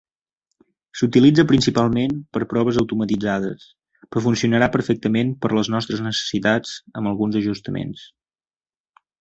S'utilitza principalment per a proves automatitzades, però funcionarà perfectament per a les nostres necessitats amb alguns ajustaments.